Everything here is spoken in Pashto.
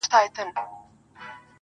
او توري څڼي به دي.